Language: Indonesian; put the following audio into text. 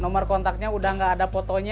nomor kontaknya udah gak ada fotonya